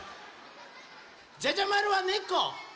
じゃじゃまるはねこ！